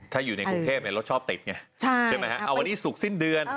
ถ้าอยู่ในกรุงเทพรถชอบติดไงใช่ไหมฮะเอาวันนี้ศุกร์สิ้นเดือน